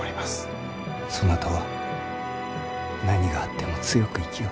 そなたは何があっても強く生きよ。